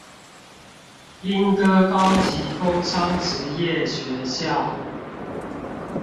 鶯歌高級工商職業學校